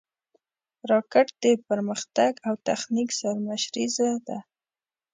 راکټ د پرمختګ او تخنیک سرمشریزه ده